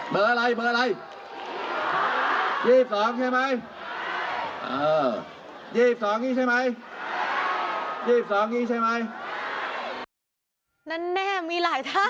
เบอร์อะไรยีบสองใช่ไหมยีบสองนั้นน่ะมีหลายท่า